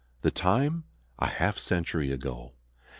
The time a half century ago.